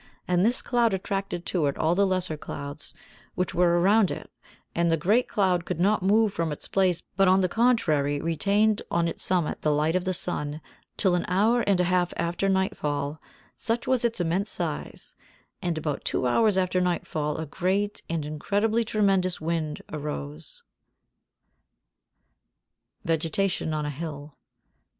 And this cloud attracted to it all the lesser clouds which were around it; and the great cloud did not move from its place, but on the contrary retained on its summit the light of the sun till an hour and a half after nightfall, such was its immense size; and about two hours after nightfall a great, an incredibly tremendous wind arose. [Sidenote: Vegetation of a Hill] 82.